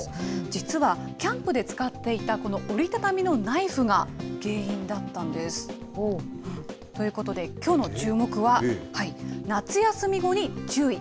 実は、キャンプで使っていたこの折り畳みのナイフが原因だったんです。ということで、きょうのチューモク！は夏休み後に注意！